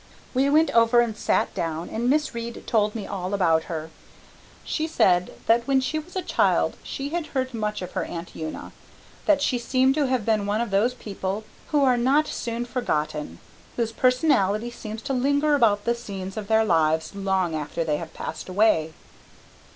"We went over and sat down and Miss Reade told me all about her. She said that when she was a child she had heard much of her Aunt Una that she seemed to have been one of those people who are not soon forgotten, whose personality seems to linger about the scenes of their lives long after they have passed away."